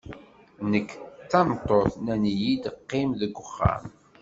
Nekk d tameṭṭut, nnan-iyi-d qqim deg uxxam.